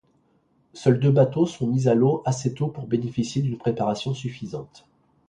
Seuls deux bateaux sont mis à l'eau assez tôt pour bénéficier d'une préparation suffisante.